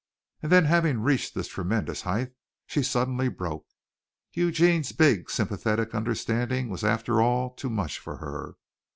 And then having reached this tremendous height she suddenly broke. Eugene's big, sympathetic understanding was after all too much for her.